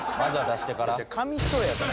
紙一重やから」